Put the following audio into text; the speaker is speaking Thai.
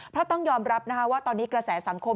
เพราะต้องยอมรับว่าตอนนี้กระแสสังคม